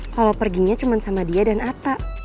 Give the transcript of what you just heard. kalo perginya cuman sama dia dan ata